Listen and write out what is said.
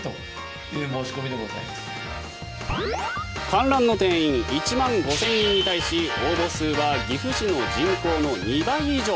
観覧の定員１万５０００人に対し応募数は岐阜市の人口の２倍以上。